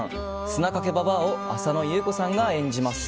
砂かけばばあを浅野ゆう子さんが演じます。